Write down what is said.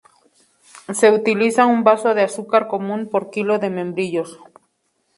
Se utiliza un vaso de azúcar común por kilo de membrillos.